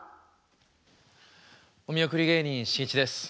お見送り芸人しんいちです。